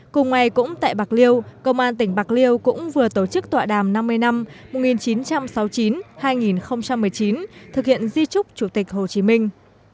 cùng ngày cũng tại bạc liêu công an tỉnh bạc liêu cũng vừa tổ chức tọa đàm năm mươi năm một nghìn chín trăm sáu mươi chín hai nghìn một mươi chín thực hiện di trúc chủ tịch hồ chí minh